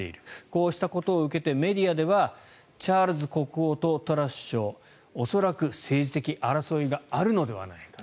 こうしたことを受けてメディアではチャールズ国王とトラス首相恐らく政治的争いがあるのではないか。